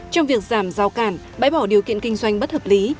trong việc giảm giao cản bãi bỏ điều kiện kinh doanh bất hợp lý